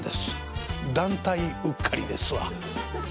団体うっかりですわええ。